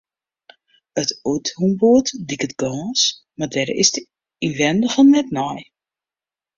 It úthingboerd liket gâns, mar dêr is 't ynwindige net nei.